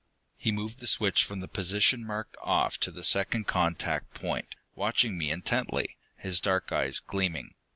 He moved the switch from the position marked "Off" to the second contact point, watching me intently, his dark eyes gleaming.